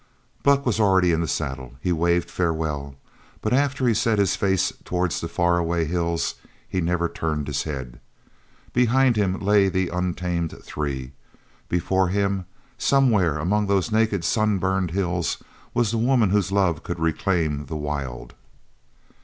Buck was already in the saddle. He waved farewell, but after he set his face towards the far away hills he never turned his head. Behind him lay the untamed three. Before him, somewhere among those naked, sunburned hills, was the woman whose love could reclaim the wild.